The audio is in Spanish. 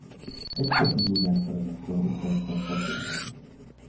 Es presidida por el actor y productor Jorge Peregrino.